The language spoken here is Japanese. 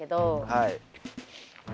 はい。